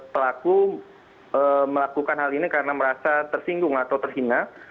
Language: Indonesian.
pelaku melakukan hal ini karena merasa tersinggung atau terhina